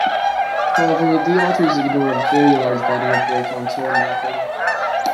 However, the authors ignore a very large body of work on tone mapping.